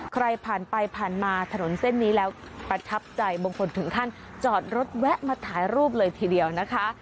ใครผ่านไปผ่านมาถนนเส้นนี้แล้วประทับใจบางคนถึงขั้นจอดรถแวะมาถ่ายรูปเลยทีเดียวนะคะ